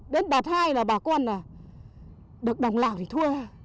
mà thay là bà cô an này được đồng lạc thì thua